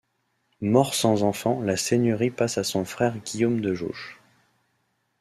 Mort sans enfant la seigneurie passe à son frère Guillaume de Jauche.